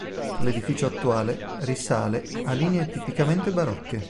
L'edificio attuale risale ha linee tipicamente barocche.